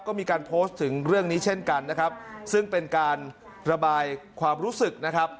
ก็มีการโพสต์ถึงเรื่องนี้เช่นกันนะครับซึ่งเป็นการระบายความรู้สึกนะครับ